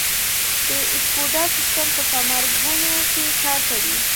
د اسیکوډا سیستم په ګمرکونو کې کار کوي؟